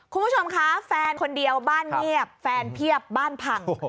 คุณผู้ชมคะแฟนคนเดียวบ้านเงียบแฟนเพียบบ้านพัง